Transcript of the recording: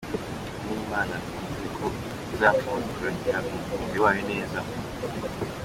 Hamwe n’Imana nizeye ko izanshoboza kuragira umukumbi wayo neza .